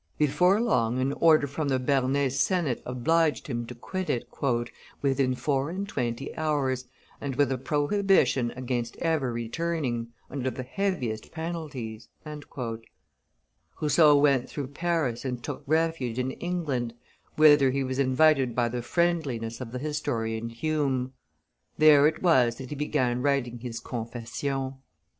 Before long an order from the Bernese senate obliged, him to quit it "within four and twenty hours, and with a prohibition against ever returning, under the heaviest penalties." Rousseau went through Paris and took refuge in England, whither he was invited by the friendliness of the historian Hume. There it was that he began writing his Confessions.